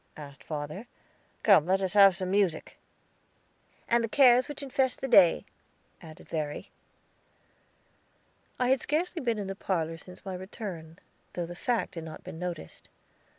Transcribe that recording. asked father. "Come, let us have some music." "'And the cares which infest the day,'" added Verry. I had scarcely been in the parlor since my return, though the fact had not been noticed.